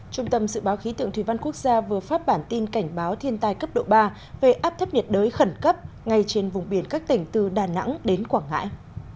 trung tâm dự báo khí tượng thủy văn quốc gia vừa phát bản tin cảnh báo thiên tai cấp độ ba về áp thấp nhiệt đới khẩn cấp ngay trên vùng biển các tỉnh từ đà nẵng đến quảng ngãi